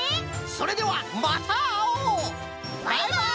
それではまたあおう！バイバイ！